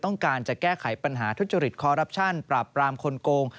ต้องการจะแก้ไขปัญหาทุจริตคอรัปชั่นปราบปรามคนโกง